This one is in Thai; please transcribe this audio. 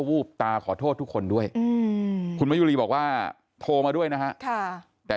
วูบตาขอโทษทุกคนด้วยคุณมะยุรีบอกว่าโทรมาด้วยนะฮะแต่